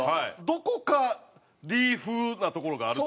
どこかリー風なところがある。